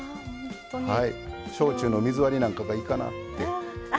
焼酎の水割りなんかがいいかなって思ってます。